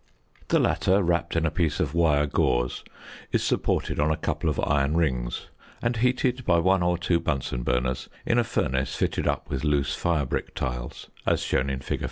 The latter, wrapped in a piece of wire gauze, is supported on a couple of iron rings, and heated by one or two Bunsen burners in a furnace fitted up with loose fire brick tiles, as shown in fig.